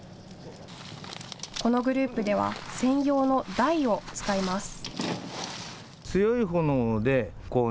このグループでは専用の台を使います。